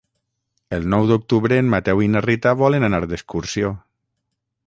El nou d'octubre en Mateu i na Rita volen anar d'excursió.